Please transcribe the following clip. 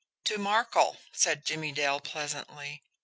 "To Markel," said Jimmie Dale pleasantly.